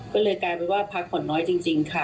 ก็เลยกลายเป็นว่าพักผ่อนน้อยจริงค่ะ